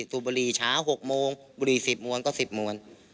สูบบุหรี่เช้า๖โมงบุหรี่๑๐มวลก็๑๐มวล